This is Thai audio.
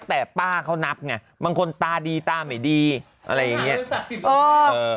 แต่ป้าเขานับไงบางคนตาดีตาไม่ดีอะไรอย่างนี้